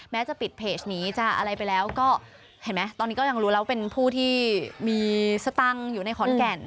จะปิดเพจนี้จะอะไรไปแล้วก็เห็นไหมตอนนี้ก็ยังรู้แล้วเป็นผู้ที่มีสตังค์อยู่ในขอนแก่น